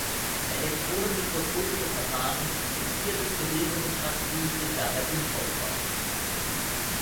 Elektronenmikroskopische Verfahren, die fixiertes Gewebe betrachten, sind daher unbrauchbar.